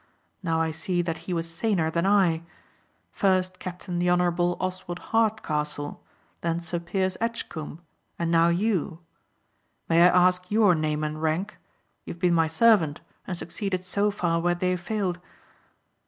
Now I see that he was saner than I. First Captain the Honourable Oswald Hardcastle, then Sir Piers Edgcomb and now you. May I ask your name and rank? You have been my servant and succeeded so far where they failed?"